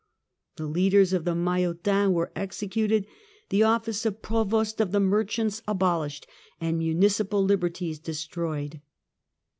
The leaders of the Puuish Maillotins were executed, the office of Provost of the MaiUotins Merchants abolished, and municipal liberties destroyed.